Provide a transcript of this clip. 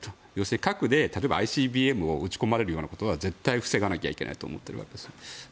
核でＩＣＢＭを撃ち込まれるようなことは絶対に防がなければいけないと思っているんですよ。